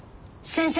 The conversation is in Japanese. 先生。